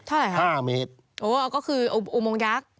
เท่าไหร่ครับ๕เมตรก็คืออุบวงยักษ์